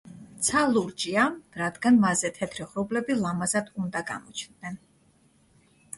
ცა ლურჯია, რადგან მასზე თეთრი ღრუბლები ლამაზად უნდა გამოჩნდნენ.